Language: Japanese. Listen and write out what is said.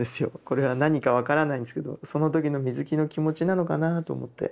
これは何か分からないんですけどその時の水木の気持ちなのかなと思って。